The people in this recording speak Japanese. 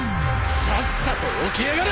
さっさと起きやがれ！